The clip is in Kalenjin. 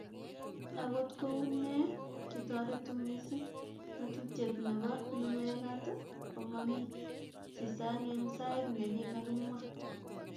akot kou noe kitoretu mising' ng'atutie noto nemekat komamii chisang' ensait ne kakimwa